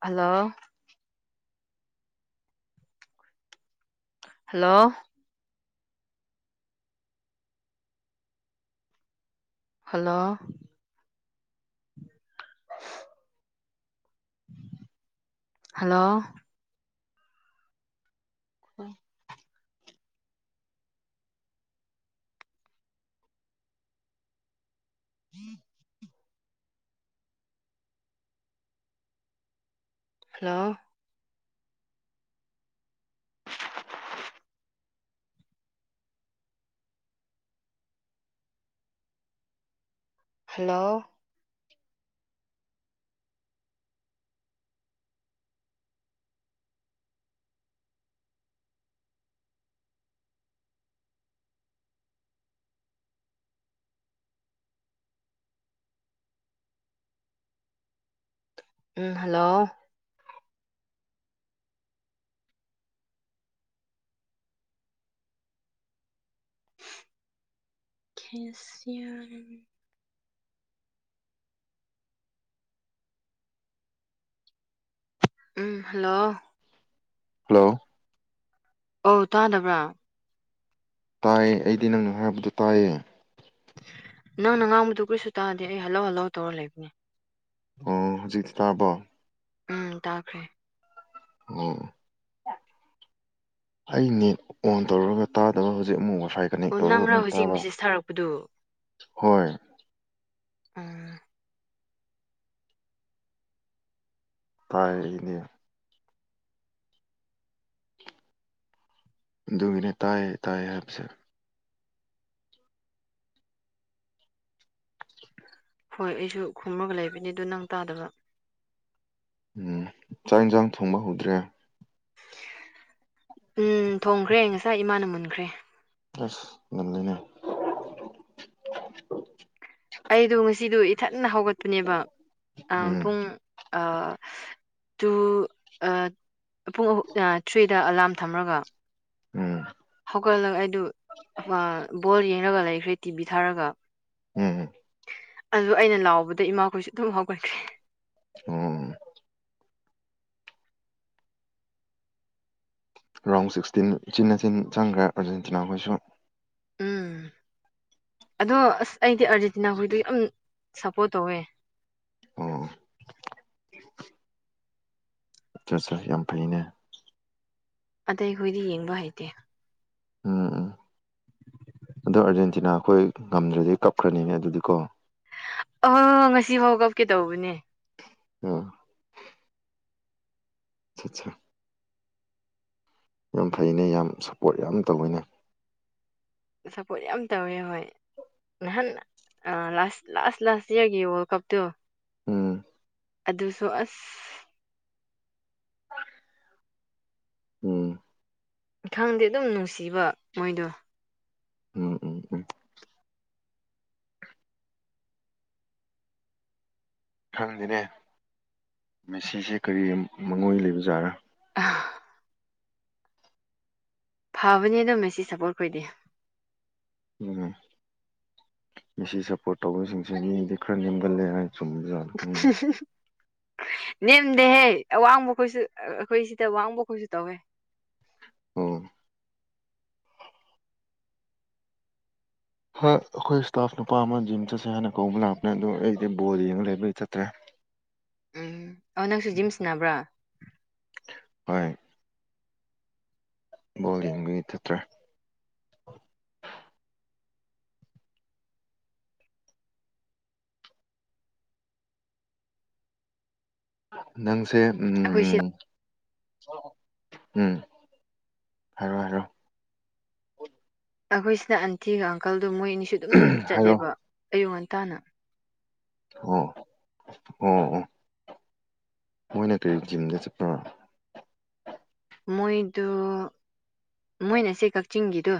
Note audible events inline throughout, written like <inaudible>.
Hello hello hello hello <unintelligible> <inaudible> hello <inaudible> hello ꯎꯝ hello ꯈꯦ ꯁꯤ ꯌꯥꯝ ꯎꯝ ꯍꯜꯂꯣ ꯍꯜꯂꯣ ꯑꯧ ꯇꯥꯗꯕ꯭ꯔꯥ ꯇꯥꯏꯌꯦ ꯑꯩꯗꯤ ꯅꯪꯅ ꯍꯥꯏꯕꯗꯨ ꯇꯥꯏꯌꯦ ꯅꯪꯅ ꯉꯥꯡꯕꯗꯨ ꯀꯨꯔꯤꯁꯨ ꯇꯥꯗꯦ ꯑꯩ ꯍꯜꯂꫭ ꯍꯜꯂꫭ ꯇꯧꯔ ꯂꯩꯕꯅꯦ ꯑꯣ ꯍꯧꯖꯤꯛꯇꯤ ꯇꯥꯔꯕꫭ ꯎꯝ ꯇꯥꯈ꯭ꯔꯦ꯫ ꯑꯣ ꯑꯩ ꯅꯦꯠ ꯑꯣꯟ ꯇꯧꯔꯒ ꯇꯥꯗꯕ ꯍꯧꯖꯤꯛ ꯑꯃꯨꯛ ꯋꯥꯏꯐꯥꯏ ꯀꯅꯦꯛ ꯑꯣ ꯇꯧꯔꯒ ꯅꯪꯔ ꯑꯃꯨꯛ ꯍꯧꯖꯤꯛ ꯇꯥꯕ ꯃꯦꯁꯦꯁ ꯊꯥꯔꯛꯄꯗꯨ ꯍꯣꯏ ꯎꯝ꯫ ꯇꯥꯏ ꯏꯅꯦ ꯑꯗꯨꯒꯤꯅꯦ ꯇꯥꯏ ꯇꯥꯏ ꯍꯥꯏꯕꯁꯦ ꯍꯣꯏ ꯑꯩꯁꯨ ꯈꯨꯝꯃꯒ ꯂꯩꯕꯅꯤ ꯑꯗꯨ ꯅꯪ ꯇꯥꯗꯕ ꯎꯝ ꯆꯥꯛ ꯏꯟꯁꯥꯡ ꯊꯣꯡꯕ ꯍꯧꯗ꯭ꯔꯦ ꯎꯝ ꯊꯣꯡꯈ꯭ꯔꯦ ꯉꯁꯥꯏ ꯏꯃꯥꯅ ꯃꯨꯟꯈ꯭ꯔꯦ ꯑꯁ ꯉꯜꯂꯤꯅꯦ ꯑꯩꯗꯣ ꯉꯁꯤꯗꯣ ꯏꯊꯟꯅ ꯍꯧꯒꯠꯄꯅꯦꯕ ꯑꯥ ꯎꯝ ꯄꯨꯡ ꯑ ꯇꯨ ꯑꯥ ꯄꯨꯡ ꯑꯍꯨꯝ ꯊ꯭ꯔꯤꯗ ꯑꯂꯥꯝ ꯊꯝꯃꯒ ꯎꯝ꯫ ꯍꯧꯒꯠꯂꯒ ꯑꯩꯗꯨ ꯑꯥ ꯕꯣꯜ ꯌꯦꯡꯉꯒ ꯂꯩꯈ꯭ꯔꯦ ꯇꯤꯚꯤ ꯊꯥꯔꯒ ꯎꯝ꯫ ꯑꯗꯨ ꯑꯩꯅ ꯂꯥꯎꯕꯗ ꯏꯃꯥꯈꯣꯏꯁꯨ ꯑꯗꯨꯝ ꯍꯧꯒꯠꯈ꯭ꯔꯦ ꯑꯣꯝ ꯔꯥꯎꯟ ꯁꯤꯛꯁꯇꯤꯟ ꯎꯆꯤꯟ ꯅꯆꯤꯟ ꯆꯪꯈ꯭ꯔꯦ ꯑꯥꯔꯖꯦꯟꯇꯤꯅꯥꯈꯣꯏꯁꯨ ꯎꯝ ꯑꯗꯣ ꯑꯁ ꯑꯩꯗꯤ ꯑꯥꯔꯖꯦꯟꯇꯤꯅꯥ ꯍꯣꯏꯗꯣ ꯌꯥꯝ ꯁꯄꯣꯔꯠ ꯇꯧꯋꯦ ꯑꯣ ꯑꯆꯥ ꯑꯆꯥ ꯌꯥꯝ ꯐꯩꯅꯦ ꯑꯇꯩꯈꯣꯏꯗꯤ ꯌꯦꯡꯕ ꯍꯩꯇꯦ ꯎꯝ ꯎꯝ ꯑꯗꯣ ꯑꯥꯔꯖꯦꯟꯇꯤꯅꯥ ꯑꯩꯈꯣꯏ ꯉꯝꯗ꯭ꯔꯥꯗꯤ ꯀꯞꯈ꯭ꯔꯥꯅꯤꯅꯦ ꯑꯗꯨꯗꯤꯀꯣ ꯑꯥ ꯉꯁꯤꯐꯥꯎ ꯀꯞꯀꯦ ꯇꯧꯕꯅꯦ ꯑꯥ ꯆꯥ ꯆꯥ ꯌꯥꯝ ꯐꯩꯅꯦ ꯌꯥꯝ ꯁꯞꯄꯣꯔꯠ ꯌꯥꯝ ꯇꯧꯏꯅꯦ ꯁꯞꯄꯣꯔꯠ ꯌꯥꯝ ꯇꯧꯋꯦ ꯍꯣꯏ ꯅꯍꯥꯟ ꯑ ꯂꯥꯁ ꯂꯥꯁ ꯂꯥꯁ ꯏꯌꯥꯔꯒꯤ ꯋꯥꯔꯜ ꯀꯞꯇꯣ ꯎꯝ ꯑꯗꯨꯁꯨ ꯑꯁ ꯎꯝ ꯈꯪꯗꯦ ꯑꯗꯨꯝ ꯅꯨꯡꯁꯤꯕ ꯃꯣꯏꯗꯣ ꯎꯝ ꯎꯝ ꯎꯝ ꯈꯪꯗꯦꯅꯦ ꯃꯦꯁꯤꯁꯦ ꯀꯔꯤ ꯃꯉꯣꯏ ꯂꯩꯕꯖꯥꯠꯔꯥ ꯑꯥ ꯐꯕꯅꯦꯗ ꯃꯦꯁꯤ ꯁꯞꯄꯣꯔꯠ ꯈꯣꯢꯗꯤ ꯎ ꯃꯦꯁꯤ ꯁꯞꯄꯣꯔꯠ ꯇꯧꯕꯁꯤꯡꯁꯤ ꯃꯤꯗꯤ ꯈꯔ ꯅꯦꯝꯒꯜꯂꯦ ꯍꯥꯏ ꯆꯨꯝꯕꯖꯥꯠꯂ ꯈꯪꯗꯦ <unintelligible> ꯅꯦꯝꯗꯦꯍꯦ ꯑꯋꯥꯡꯕ ꯈꯣꯏꯁꯨ ꯑꯈꯣꯏ ꯁꯤꯗ ꯋꯥꯡꯕ ꯈꯣꯏꯁꯨ ꯇꯧꯋꯦ ꯑꯣ ꯍꯥ ꯑꯈꯣꯏ ꯏꯁꯇꯥꯐ ꯅꯨꯄꯥ ꯑꯃ ꯖꯤꯝ ꯆꯠꯁꯦ ꯍꯥꯏꯅ ꯀꯧꯕ ꯂꯥꯛꯄꯅꯦ ꯑꯗꯣ ꯑꯩꯗꯤ ꯕꯣꯜ ꯌꯦꯡꯉ ꯂꯩꯕꯩ ꯆꯠꯇ꯭ꯔꯦ ꯎꯝ ꯑꯣ ꯅꯪꯁꯨ ꯖꯤꯝ ꯁꯅꯕ꯭ꯔꯥ ꯍꯣꯢ ꯕꯣꯜ ꯌꯦꯡꯕꯒꯤ ꯊꯠꯇ꯭ꯔꯦ ꯅꯪꯁꯦ ꯑꯩꯈꯣꯏ ꯁꯤ ꯎꯝ ꯎꯝ ꯍꯥꯏꯔꯣ ꯍꯥꯏꯔꯣ ꯑꯈꯣꯏꯁꯤꯅ ꯑꯟꯇꯤꯒ ꯑꯪꯀꯜꯗꯣ ꯃꯣꯏ ꯑꯅꯤꯁꯨ ꯑꯗꯨꯝ ꯍꯥꯏꯔꯣ ꯆꯠꯂꯦꯕ ꯑꯌꯨꯛ ꯉꯟꯇꯥꯅ ꯑꯣ ꯑꯣ ꯑꯣ ꯃꯣꯏꯅ ꯀꯔꯤ ꯖꯤꯝꯗ ꯆꯠꯄ꯭ꯔ ꯃꯣꯏꯗꯣ ꯃꯣꯏꯅ ꯁꯤ ꯀꯛꯆꯤꯡꯒꯤꯗꯣ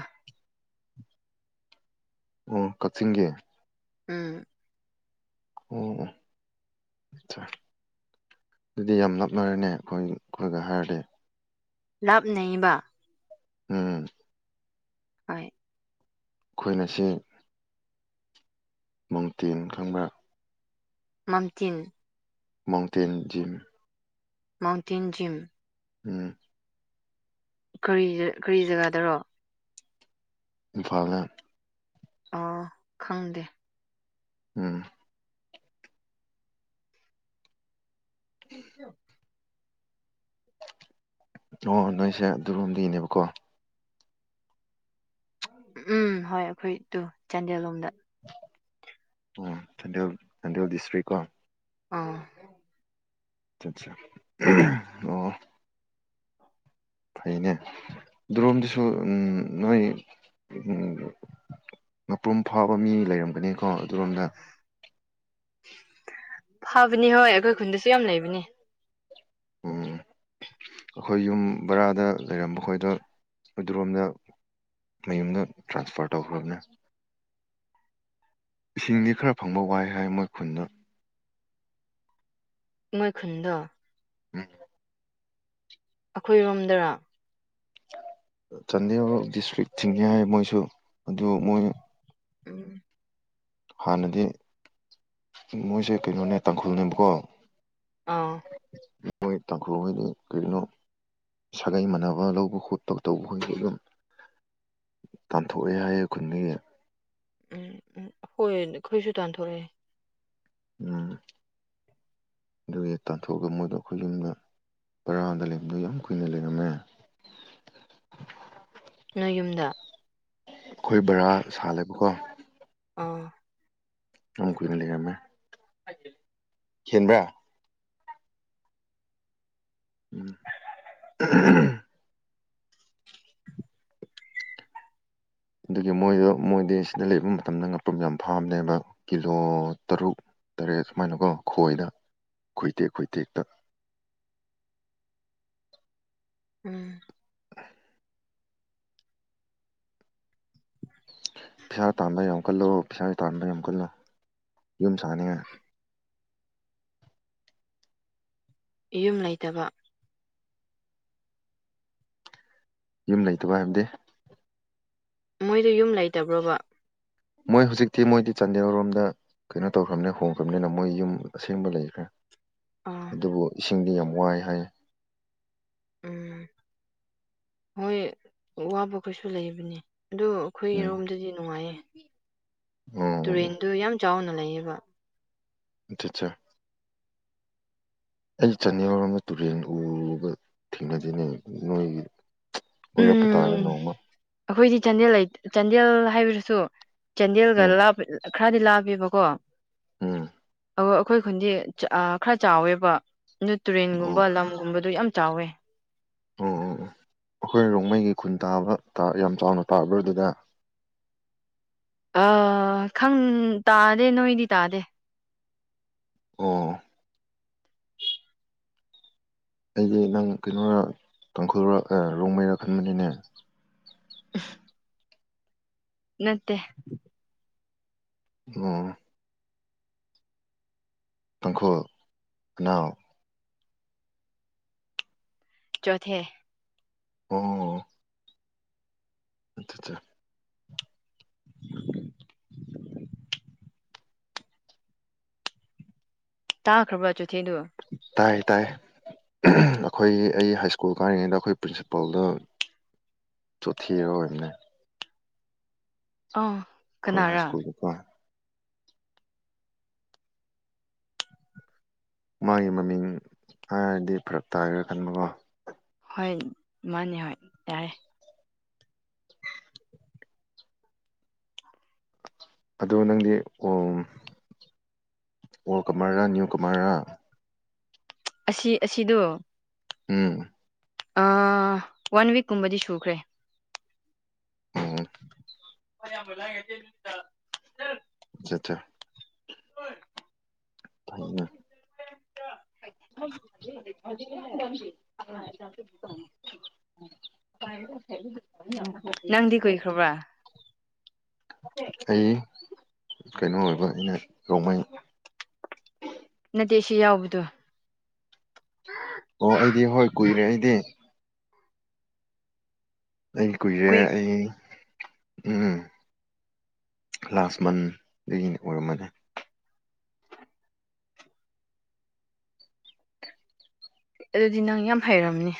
ꯑꯣ ꯀꯛꯆꯤꯡꯒꯤ ꯎꯝ ꯑꯣ ꯑꯣ ꯑꯗꯨꯗꯤ ꯌꯥꯝ ꯂꯥꯞꯅꯔꯦꯅꯦ ꯈꯣꯏ ꯑꯈꯣꯏꯒ ꯍꯥꯏꯔꯗꯤ ꯂꯥꯞꯅꯩꯕ ꯎꯝ ꯑꯥꯢ ꯈꯣꯏꯅ ꯁꯤ ꯃꯥꯎꯇꯦꯟ ꯈꯪꯕ꯭ꯔ ꯃꯝꯊꯤꯟ ꯃꯥꯥꯎꯟꯇꯦꯟ ꯖꯤꯝ ꯃꯥꯎꯟꯇꯦꯟ ꯖꯤꯝ ꯎꯝ ꯀꯔꯤꯖ ꯀꯔꯤ ꯖꯒꯥꯗꯔꯣ ꯏꯝꯐꯥꯜꯅ ꯑ ꯈꯪꯗꯦ ꯎꯝ <unintelligible> ꯑꯣ ꯅꯣꯏꯁꯦ ꯑꯗꯨꯔꯣꯝꯗꯩꯅꯦꯕꯀꯣ ꯎꯝ ꯍꯣꯏ ꯑꯩꯈꯣꯏ ꯇꯨ ꯆꯥꯟꯗꯦꯜ ꯂꯣꯝꯗ꯫ ꯎꯝ ꯆꯥꯟꯗꯦꯜ ꯆꯥꯟꯗꯦꯜ ꯗꯤꯁꯇ꯭ꯔꯤꯛ ꯀꯣ꯫ ꯑꯥ꯫ ꯑꯠꯆꯥ ꯑꯣ꯫ ꯐꯩꯅꯦ ꯑꯗꯨꯔꯣꯝꯗꯁꯨ ꯑꯪ ꯅꯣꯏ ꯎꯪ ꯉꯥꯄ꯭ꯔꯨꯝ ꯐꯥꯕ ꯃꯤ ꯂꯩꯔꯝꯒꯅꯤꯀꯣ ꯑꯗꯨꯔꯣꯝꯗ꯫ ꯐꯥꯕꯅꯤ ꯍꯣꯏ ꯑꯩꯈꯣꯏ ꯈꯨꯟꯗꯁꯨ ꯌꯥꯝ ꯂꯩꯕꯅꯤ꯫ ꯑꯈꯣꯏ ꯌꯨꯝ ꯕꯔꯥꯗ ꯂꯩꯔꯝꯕ ꯈꯣꯏꯗꯣ ꯑꯗꯨꯔꯣꯝꯗ ꯃꯌꯨꯝꯗꯨ ꯇ꯭ꯔꯥꯟꯁꯐꯔ ꯇꯧꯈ꯭ꯔꯕꯅꯦ꯫ ꯏꯁꯤꯡꯗꯤ ꯈꯔ ꯐꯪꯕ ꯋꯥꯏ ꯍꯥꯏ ꯃꯣꯏ ꯈꯨꯟꯗꯣ꯫ ꯃꯣꯏ ꯈꯨꯟꯗꯣ꯫ ꯎꯝ꯫ ꯑꯈꯣꯏꯔꯣꯝꯗꯔꯥ꯫ ꯆꯥꯟꯗꯦꯜ ꯗꯤꯁꯇ꯭ꯔꯤꯛ ꯊꯤꯡꯉꯦ ꯍꯥꯏ ꯃꯣꯏꯁꯨ ꯑꯗꯨ ꯃꯣꯏ ꯎꯝ꯫ ꯍꯥꯟꯅꯗꯤ ꯃꯣꯏꯁꯦ ꯀꯩꯅꯣꯅꯦ ꯇꯥꯡꯈꯨꯜꯅꯦꯕꯀꯣ ꯑꯥꯎ ꯃꯣꯏ ꯇꯥꯡꯈꯨꯜꯍꯣꯏꯗꯣ ꯀꯩꯅꯣ ꯁꯥꯒꯩ ꯃꯥꯟꯅꯕ ꯂꯧꯕ ꯈꯣꯠꯄ ꯇꯧꯕ ꯈꯣꯠꯄꯗꯣ ꯇꯥꯟꯊꯣꯛꯑꯦ ꯍꯥꯏꯌꯦ ꯈꯨꯟꯗꯒꯤ ꯎꯝ ꯎꯝ ꯍꯣꯏ ꯑꯩꯈꯣꯏꯁꯨ ꯇꯥꯟꯊꯣꯛꯑꯦ ꯎꯝ ꯑꯗꯨꯒꯤ ꯇꯥꯟꯊꯣꯛꯑꯒ ꯃꯣꯏꯗꯣ ꯑꯩꯈꯣꯏ ꯌꯨꯝꯗ ꯕꯔꯥꯗ ꯂꯩꯕꯗꯣ ꯌꯥꯝ ꯀꯨꯏꯅ ꯂꯩꯔꯝꯃꯦ ꯅꯣꯏ ꯌꯨꯝꯗ ꯑꯩꯈꯣꯏ ꯕꯔꯥ ꯁꯥꯜꯂꯦꯕꯀꯣ ꯑꯥ ꯌꯥꯝ ꯀꯨꯏꯅ ꯂꯩꯔꯝꯃꯦ ꯆꯤꯟꯕ꯭ꯔꯥ <unintelligible> ꯑꯍꯝ ꯑꯗꯨꯒꯤ ꯃꯣꯏꯗꯣ ꯃꯣꯏꯗꯤ ꯁꯤꯗ ꯂꯩꯕ ꯃꯇꯝꯗ ꯉꯥꯄꯨꯝ ꯌꯥꯝ ꯐꯥꯕꯅꯦꯕ ꯀꯤꯂꯣ ꯇꯔꯨꯛ ꯇꯔꯦꯠ ꯁꯨꯃꯥꯏꯅꯀꯣ ꯈꯣꯏꯗ ꯈꯣꯏꯇꯦꯛ ꯈꯣꯏꯇꯦꯛꯇ ꯎꯝ ꯑꯥ ꯄꯩꯁꯥ ꯇꯥꯟꯕ ꯌꯥꯝ ꯀꯜꯂꯣ ꯄꯩꯁꯥ ꯇꯥꯟꯕ ꯌꯥꯝ ꯀꯜꯂꯣ ꯌꯨꯝ ꯁꯥꯅꯤꯡꯉꯥꯏ ꯌꯨꯝ ꯂꯩꯇꯕ ꯌꯨꯝ ꯂꯩꯇꯕ ꯍꯥꯏꯕꯗꯤ ꯃꯣꯏꯗꯣ ꯌꯨꯝ ꯂꯩꯇꯕ꯭ꯔꯣꯕ ꯃꯣꯏ ꯍꯧꯖꯤꯛꯇꯤ ꯃꯣꯏꯗꯤ ꯆꯥꯟꯗꯦꯜꯔꯣꯝꯗ ꯀꯩꯅꯣ ꯇꯧꯈ꯭ꯔꯕꯅꯤꯅ ꯍꯣꯡꯈ꯭ꯔꯕꯅꯤꯅ ꯃꯣꯏ ꯌꯨꯝ ꯑꯁꯦꯡꯕ ꯂꯩꯈ꯭ꯔꯦ ꯑꯥ ꯑꯗꯨꯕꯨ ꯏꯁꯤꯡꯗꯤ ꯌꯥꯝ ꯋꯥꯏ ꯍꯥꯏ ꯎꯝ ꯃꯣꯏ ꯋꯥꯕ ꯈꯣꯏꯁꯨ ꯂꯩꯕꯅꯦ ꯑꯗꯨ ꯎꯝ ꯑꯩꯈꯣꯏꯔꯣꯝꯗꯗꯤ ꯅꯨꯡꯉꯥꯏꯌꯦ ꯑꯣ ꯇꯨꯔꯦꯟꯗꯣ ꯌꯥꯝ ꯆꯥꯎꯅ ꯂꯩꯌꯦꯕ ꯑꯆꯥ ꯑꯆꯥ ꯑꯩ ꯆꯅꯦꯔ ꯌꯥꯎꯕ ꯇꯨꯔꯦꯟ ꯎꯕ ꯊꯦꯡꯅꯗꯅꯦ ꯅꯣꯏꯒꯤ ꯀꯣꯏꯔꯄ ꯇꯥꯥꯔꯦ ꯎꯝ ꯅꯣꯡꯃ ꯑꯩꯈꯣꯏꯗꯤ ꯆꯥꯟꯗꯦꯜ ꯂꯩ ꯆꯥꯟꯗꯦꯜ ꯍꯥꯏꯕꯗꯨꯁꯨ ꯆꯥꯟꯗꯦꯜꯒ ꯎꯝ ꯂꯥꯞ ꯈꯔꯗꯤ ꯂꯥꯞꯄꯦꯕꯀꯣ ꯎꯝ ꯑꯣ ꯑꯩꯈꯣꯏ ꯈꯨꯟꯗꯤ ꯑꯥ ꯈꯔ ꯆꯥꯎꯋꯦꯕ ꯑꯗꯨ ꯑꯣ ꯇꯨꯔꯦꯟꯒꯨꯝꯕ ꯂꯝꯒꯨꯝꯕꯗꯣ ꯌꯥꯝ ꯆꯥꯎꯋꯦ ꯑꯣ ꯑꯣ ꯑꯣ ꯑꯩꯈꯣꯏ ꯔꯣꯡꯃꯩꯒꯤ ꯈꯨꯟ ꯇꯥꯕ ꯇꯥꯕ ꯌꯥꯝ ꯆꯥꯎꯅ ꯇꯥꯕ꯭ꯔꯥ ꯑꯗꯨꯗ ꯑꯥ ꯈꯪ ꯇꯥꯗꯦ ꯅꯣꯏꯗꯤ ꯇꯥꯗꯦ ꯑꯣ ꯑꯩꯗꯤ ꯅꯪ ꯀꯩꯅꯣꯔ ꯇꯥꯡꯈꯨꯜ ꯔꯣꯡꯃꯩꯔꯥ ꯈꯟꯕꯅꯤꯅꯦ ꯅꯠꯇꯦ ꯑꯣ ꯇꯥꯡꯈꯨꯜ ꯅꯥꯎ ꯆꯣꯊꯦ ꯑꯣ ꯑꯆꯥꯆꯥ ꯇꯥꯈꯕ꯭ꯔꯥ ꯆꯣꯊꯦꯗꯣ ꯇꯥꯏ ꯇꯥꯏ ꯑꯩꯈꯣꯏ ꯑꯩ ꯍꯥꯏꯁ꯭ꯀꯨꯜ ꯀꯥꯔꯤꯉꯩꯗ ꯑꯩꯈꯣꯏ ꯄ꯭ꯔꯤꯟꯁꯤꯄꯥꯜꯗ ꯆꯣꯊꯦ ꯑꯣꯏꯕꯅꯦ <unintelligible> ꯑꯩꯈꯣꯏ ꯍꯥꯏꯁ꯭ꯀꯨꯜꯗꯀꯣ ꯃꯥꯒꯤ ꯃꯃꯤꯡ ꯍꯥꯏꯔꯗꯤ ꯐꯔꯛ ꯇꯥꯏꯔꯦ ꯈꯟꯕꯀꯣ ꯍꯣꯏ ꯃꯥꯅꯦ ꯍꯣꯏ ꯌꯥꯏ ꯑꯗꯣ ꯅꯪꯗꯤ ꯑꯣꯝ ꯑꯣꯜ ꯀꯃꯔꯔꯥ ꯅ꯭ꯌꯨ ꯀꯃꯔꯔꯥ ꯑꯁꯤ ꯑꯁꯤꯗꯣ ꯎꯝ ꯑꯥ ꯋꯥꯟ ꯋꯤꯛꯀꯨꯝꯕꯗꯤ ꯁꯨꯈ꯭ꯔꯦ ꯑꯣ <unintelligible> ꯆꯥ ꯆꯥ ꯍꯣꯏ ꯐꯩꯅ <inaudible> <inaudible> <inaudible> <inaudible> ꯅꯪꯗꯤ ꯀꯨꯏꯈ꯭ꯔꯕ꯭ꯔꯥ ꯑꯩ ꯀꯩꯅꯣ ꯑꯣꯏꯕ ꯑꯩꯅ ꯔꯣꯡꯃꯩ ꯅꯠꯇꯦ ꯁꯤ ꯌꯥꯎꯕꯗꯣ ꯑꯣ ꯑꯩꯗꯤ ꯍꯣꯏ ꯀꯨꯏꯔꯦ ꯑꯩꯗꯤ ꯑꯩ ꯀꯨꯏꯔꯦ ꯀꯨꯏ ꯑꯩ ꯎꯝ ꯂꯥꯁ ꯃꯟꯗꯒꯤ ꯑꯣꯏꯔꯝꯃꯅꯤ ꯑꯗꯨꯗꯤ ꯅꯪ ꯌꯥꯝ ꯍꯩꯔꯝꯅꯤ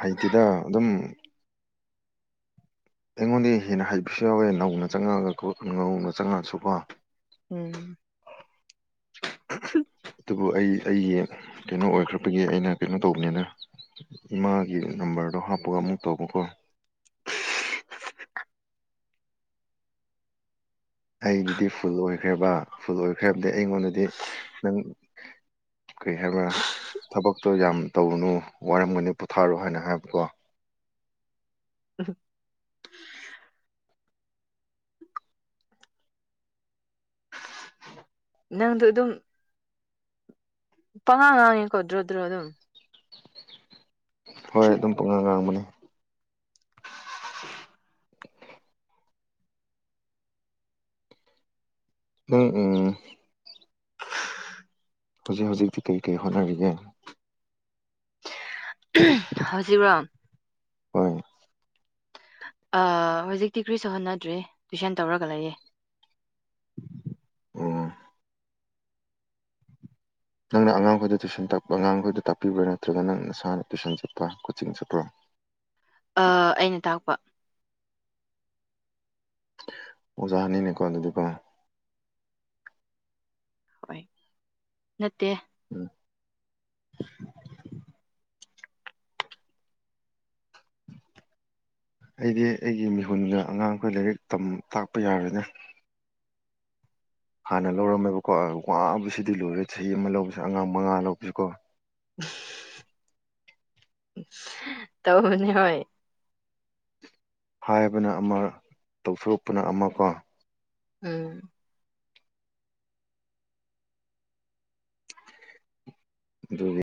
ꯍꯩꯇꯦꯗ ꯑꯗꯨꯝ ꯑꯩꯉꯣꯟꯗꯩ ꯍꯦꯟꯅ ꯍꯩꯕꯁꯨ ꯌꯥꯎꯋꯦ ꯅꯧꯅ ꯆꯪꯉꯛꯑꯒꯀꯣ ꯅꯧꯅ ꯆꯪꯉꯛꯑꯁꯨꯀꯣ ꯎꯝ ꯑꯗꯨꯕꯨ ꯑꯩ ꯑꯩꯒꯤ ꯀꯩꯅꯣ ꯑꯣꯏꯈ꯭ꯔꯕꯒꯤ ꯑꯩꯅ ꯀꯩꯅꯣ ꯇꯧꯕꯅꯤꯅ ꯏꯃꯥꯒꯤ ꯅꯝꯕꯔꯗꯣ ꯍꯥꯞꯄꯒ ꯑꯃꯨꯛ ꯇꯧꯕꯀꯣ꯫ ꯑꯩꯒꯤꯗꯤ ꯐꯨꯜ ꯑꯣꯏꯈ꯭ꯔꯦꯕ ꯐꯨꯜ ꯑꯣꯏꯈ꯭ꯔꯦ ꯍꯥꯏꯕꯗꯤ ꯑꯩꯉꯣꯟꯗꯗꯤ ꯅꯪ ꯀꯔꯤ ꯍꯥꯏꯕ꯭ꯔꯥ ꯊꯕꯛꯇꯣ ꯌꯥꯝ ꯇꯧꯅꯨ ꯋꯥꯔꯝꯒꯅꯤ ꯄꯣꯊꯥꯔꯣ ꯍꯥꯏꯅ ꯍꯥꯏꯕꯀꯣ꯫ <unintelligible> ꯅꯪꯗꯣ ꯑꯗꯨꯝ ꯄꯉꯥꯡ ꯉꯥꯡꯉꯤꯀꯣ ꯗꯔꯣ ꯗꯔꯣ ꯗꯨꯝ꯫ ꯍꯣꯏ ꯑꯗꯨꯝ ꯄꯉꯥꯡ ꯉꯥꯡꯕꯅꯤ꯫ <inaudible> ꯅꯪ ꯎꯝ꯫ ꯍꯧꯖꯤꯛ ꯍꯧꯖꯤꯛꯇꯤ ꯀꯔꯤ ꯀꯔꯤ ꯍꯣꯠꯅꯔꯤꯒꯦ꯫ ꯍꯧꯖꯤꯛꯔꯣ꯫ ꯍꯣꯏ꯫ ꯑ ꯍꯧꯖꯤꯛꯇꯤ ꯀ꯭ꯔꯤꯁꯨ ꯍꯣꯠꯅꯗ꯭ꯔꯦ ꯇꯨꯏꯁꯟ ꯇꯧꯔꯒ ꯂꯩꯌꯦ꯫ ꯑꯣ꯫ ꯅꯪꯅ ꯑꯉꯥꯡꯈꯣꯏꯗꯣ ꯇꯨꯏꯁꯟ ꯇꯥꯛꯄ꯭ꯔꯣ ꯑꯉꯥꯡꯈꯣꯏꯗꯣ ꯇꯥꯛꯄꯤꯕ꯭ꯔꯥ ꯅꯠꯇ꯭ꯔꯒ ꯅꯪ ꯅꯁꯥꯅ ꯇꯨꯏꯁꯟ ꯆꯠꯄ ꯀꯣꯆꯤꯡ ꯆꯠꯄ꯭ꯔꯣ꯫ ꯑ ꯑꯩꯅ ꯇꯥꯛꯄ꯫ ꯑꯣꯖꯥꯅꯤꯅꯦꯀꯣ ꯑꯗꯨꯗꯤ ꯀꯣ꯫ ꯍꯣꯏ ꯅꯠꯇꯦ꯫ ꯎꯝ꯫ <inaudible> <inaudible> ꯑꯩꯗꯤ ꯑꯩꯒꯤ ꯃꯤꯍꯨꯟꯒ ꯑꯉꯥꯡꯈꯣꯏ ꯂꯥꯏꯔꯤꯛ ꯇꯝ ꯇꯥꯛꯄ ꯌꯥꯔꯣꯏꯗ꯫ ꯍꯥꯟꯅ ꯂꯧꯔꯝꯃꯦꯕꯀꯣ ꯋꯥꯕꯁꯤꯗꯤ ꯂꯣꯏꯔꯦ ꯆꯍꯤ ꯑꯃ ꯂꯧꯕꯁꯤ ꯑꯉꯥꯡ ꯃꯉꯥ ꯂꯧꯕꯁꯤꯀꯣ꯫ ꯏꯁ ꯇꯧꯕꯅꯤ ꯍꯣꯏ꯫ ꯍꯥꯏꯕꯅ ꯑꯃ ꯇꯧꯊꯣꯔꯛꯄꯅ ꯑꯃ ꯀꯣ꯫ ꯎꯝ꯫ ꯑꯗꯨꯒꯤ